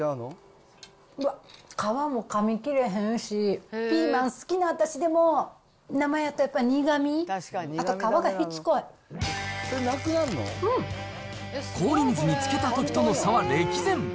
うわっ、皮もかみきれへんし、ピーマン好きな私でも、生やったら、やっぱり苦み、氷水につけたときとの差は歴然。